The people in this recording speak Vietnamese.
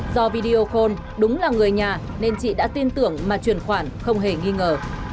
do video call đúng là người nhà nên chị đã tin tưởng mà truyền khoản không hề nghi ngờ